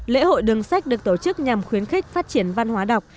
lễ hội đường sách được tổ chức nhằm khuyến khích phát triển văn hóa đọc